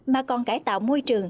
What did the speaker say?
mà còn cải tạo môi trường